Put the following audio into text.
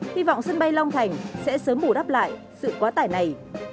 hy vọng sân bay long thành sẽ sớm bù đắp lại sự quá tải này